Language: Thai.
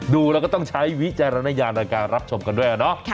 ดูแล้วก็ต้องใช้วิจารณญาณในการรับชมกันด้วยเนาะ